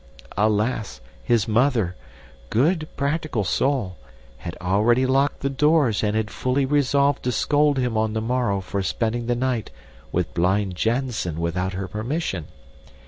Alas, his mother, good, practical soul, had already locked the doors and had fully resolved to scold him on the morrow for spending the night with blind Jansen without her permission.